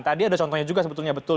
tadi ada contohnya juga sebetulnya betul